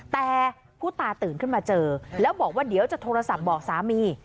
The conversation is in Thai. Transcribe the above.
แต่ผู้ตายตื่นขึ้นมาเจอแล้วบอกว่าเดี๋ยวจะโทรศัพท์บอกสามี